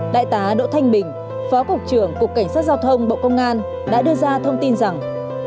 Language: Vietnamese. đại tá đỗ thanh bình phó cục trưởng cục cảnh sát giao thông bộ công an đã đưa ra thông tin rằng